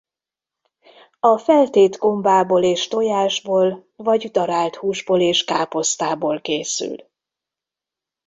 A feltét gombából és tojásból vagy darált húsból és káposztából készül.